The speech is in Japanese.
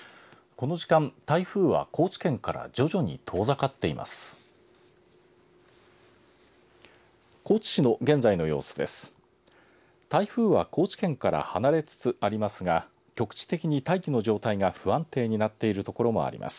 この時間台風は高知県から徐々に遠ざかっています。